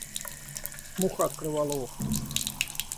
Муха открывала окна.